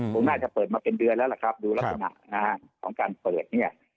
คงน่าจะเปิดมาเป็นเดือนแล้วล่ะครับดูลักษณะนะฮะของการเปิดเนี่ย